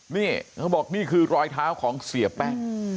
นี่เขาบอกนี่คือรอยเท้าของเสียแป้ง